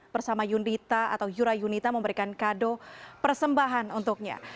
bersama yurayunita memberikan kado persembahan untuknya